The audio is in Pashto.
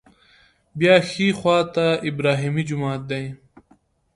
بیا ښي خوا ته ابراهیمي جومات دی.